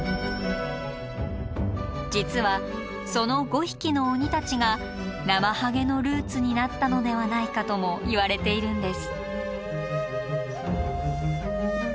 実はその５匹の鬼たちがナマハゲのルーツになったのではないかともいわれているんです。